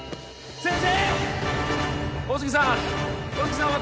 先生！